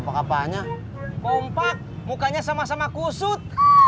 pokoknya kompak mukanya sama sama kusut